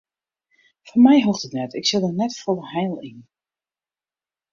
Foar my hoecht it net, ik sjoch der net folle heil yn.